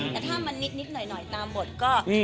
แต่ถ้ามันนิดหน่อยตามบทก็